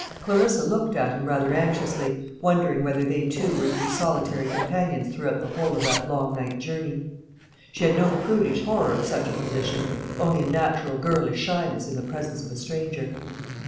Clarissa looked at him rather anxiously, wondering whether they two were to be solitary companions throughout the whole of that long night journey. She had no prudish horror of such a position, only a natural girlish shyness in the presence of a stranger.